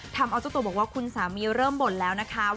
ทำเอาเจ้าตัวบอกว่าคุณสามีเริ่มบ่นแล้วนะคะ